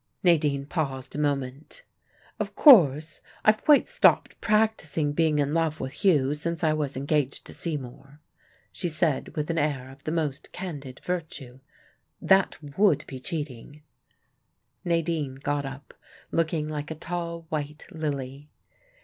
Nadine paused a moment. "Of course I've quite stopped practising being in love with Hugh since I was engaged to Seymour," she said with an air of the most candid virtue. "That would be cheating." Nadine got up looking like a tall white lily.